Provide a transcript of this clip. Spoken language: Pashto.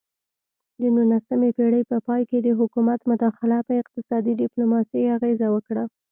د نولسمې پیړۍ په پای کې د حکومت مداخله په اقتصادي ډیپلوماسي اغیزه وکړه